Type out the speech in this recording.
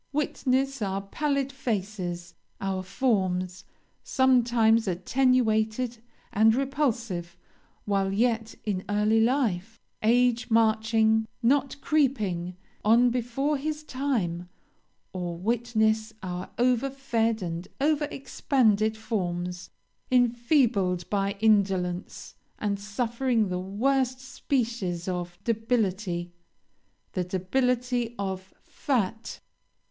Witness our pallid faces, our forms, sometimes attenuated and repulsive while yet in early life, age marching, not creeping, on before his time; or witness our over fed and over expanded forms, enfeebled by indolence, and suffering the worst species of debility the debility of fat.